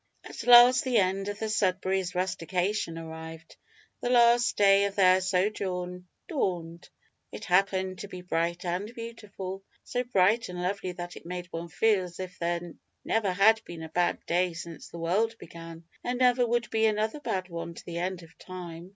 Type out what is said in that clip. At last the end of the Sudberrys' rustication arrived; the last day of their sojourn dawned. It happened to be bright and beautiful so bright and lovely that it made one feel as if there never had been a bad day since the world began, and never would be another bad one to the end of time.